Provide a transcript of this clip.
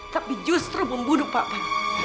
tapi justru membunuh papa